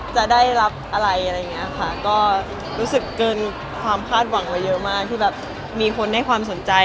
ใช่ค่ะพี่นี้ทำงานตรงกับวันนี้ทำงานเฉย